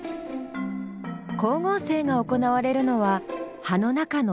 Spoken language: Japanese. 光合成が行われるのは葉の中の葉緑体。